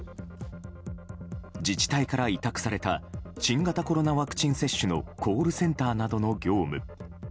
自治体から委託された新型コロナワクチン接種のコールセンターなどの業務。